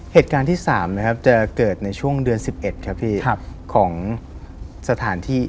เหตุการณ์ที่๓นะครับจะเกิดในช่วงเดือน๑๑ครับพี่ของสถานที่